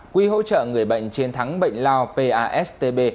quy hỗ trợ người bệnh chiến thắng bệnh lao pastb